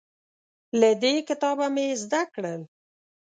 له دې کتابه مې زده کړل